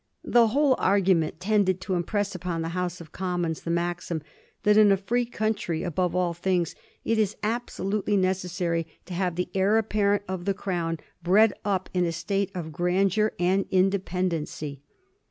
The whole argu ment tended to impress upon the House of Commons the maxim that in a free country, above all others, it is abso lutely necessary to have the heir apparent of the crown bred up in a state of grandeur and independency.